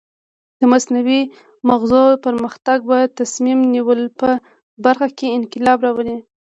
د مصنوعي مغزو پرمختګ به د تصمیم نیولو په برخه کې انقلاب راولي.